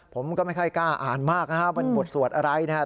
ผมก็ไม่ค่อยกล้าอ่านมากนะครับมันบทสวดอะไรนะครับ